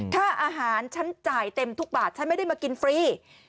ค่าอาหารฉันจ่ายเต็มทุกบาทฉันไม่ได้มากินฟรี